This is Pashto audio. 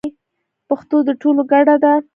پښتو د ټولو ګډه ده.